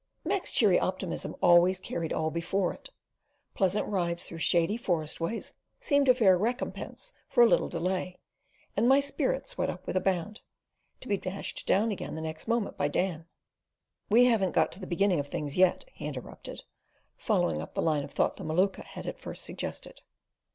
Mac's cheery optimism always carried all before it. Pleasant rides through shady forest ways seemed a fair recompense for a little delay; and my spirits went up with a bound, to be dashed down again the next moment by Dan. "We haven't got to the beginning of things yet," he interrupted, following up the line of thought the Maluka had at first suggested.